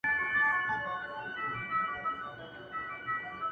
o درد زغمي؛